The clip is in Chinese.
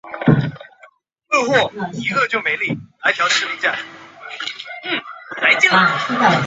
生于隆庆五年。